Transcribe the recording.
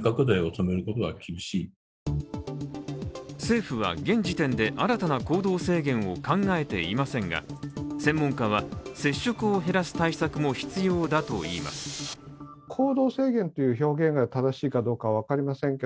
政府は現時点で新たな行動制限を考えていませんが、専門家は接触を減らす対策も必要だといいますドンバシャ！